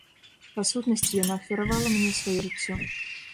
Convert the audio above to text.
Па сутнасці яна ахвяравала мне сваё жыццё.